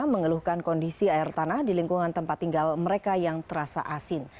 mengeluhkan kondisi air tanah di lingkungan tempat tinggal mereka yang terasa asin